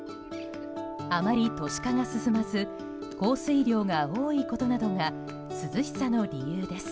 あまり都市化が進まず降水量が多いことなどが涼しさの理由です。